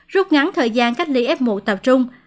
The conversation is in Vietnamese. rút ngắn thời gian cách ly f một tập trung